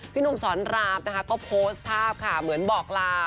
หนุ่มสอนรามนะคะก็โพสต์ภาพค่ะเหมือนบอกลา